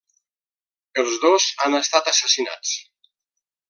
Els dos han estat assassinats.